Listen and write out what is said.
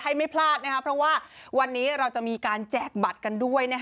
ไม่พลาดเพราะว่าวันนี้เราจะมีการแจกบัตรกันด้วย